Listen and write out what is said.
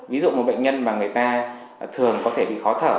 ví dụ một bệnh nhân mà người ta thường có thể bị khó thở